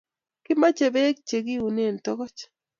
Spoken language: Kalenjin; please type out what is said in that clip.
Kimache peek che kiunen Takach